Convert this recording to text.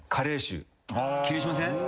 気にしません？